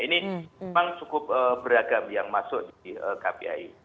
ini memang cukup beragam yang masuk di kpai